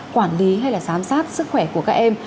quản lý hay là giám sát sức khỏe của các em